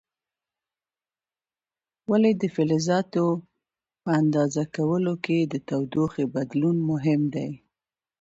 ولې د فلزاتو په اندازه کولو کې د تودوخې بدلون مهم دی؟